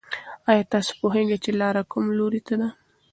ایا تاسې پوهېږئ چې لاره کوم لوري ته ده؟